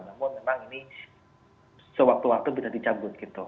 namun memang ini sewaktu waktu bisa dicabut gitu